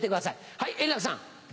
はい円楽さん。